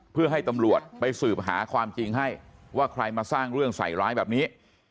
เพื่อให้ตำรวจไปสืบหาความจริงให้ว่าใครมาสร้างเรื่องใส่ร้ายแบบนี้